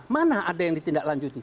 mana ada yang ditindak lanjutin